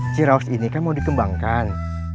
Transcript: ciraus ini kan mau dikembangkan